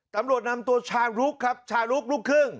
ตำรวจนำตัวชาลุกครับชาลุกลูกครึ่ง